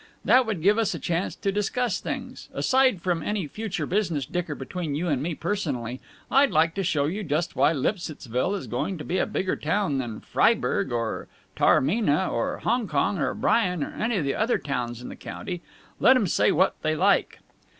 That would give us a chance to discuss things. Aside from any future business dicker between you and me personally, I'd like to show you just why Lipsittsville is going to be a bigger town than Freiburg or Taormina or Hongkong or Bryan or any of the other towns in the county, let 'em say what they like!